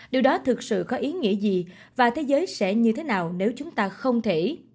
điều đó thực sự có ý nghĩa gì và thế giới sẽ như thế nào nếu chúng ta không thể